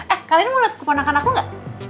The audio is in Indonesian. eh kalian mau liat keponakan aku nggak